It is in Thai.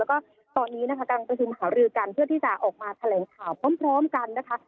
แล้วก็ตอนนี้นะคะการประชุมหารือกันเพื่อที่จะออกมาแถลงข่าวพร้อมกันนะคะ